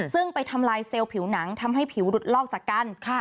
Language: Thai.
ซึ่งไปทำลายเซลล์ผิวหนังทำให้ผิวหลุดลอกจากกัน